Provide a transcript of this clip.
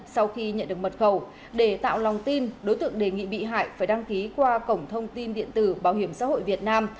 sau khi nhận được mật khẩu để tạo lòng tin đối tượng đề nghị bị hại phải đăng ký qua cổng thông tin điện tử bảo hiểm xã hội việt nam